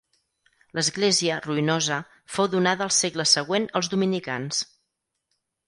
L'església, ruïnosa, fou donada al segle següent als dominicans.